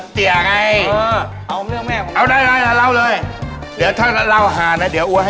ทำอาหารอร่อยมากเลยนะ